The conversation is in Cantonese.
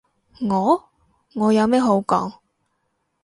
我？我有咩好講？